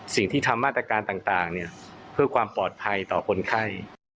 สิ่งที่ทำมาตรการต่างเพื่อความปลอดภัยต่อคนไข้